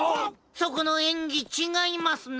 そこのえんぎちがいますな！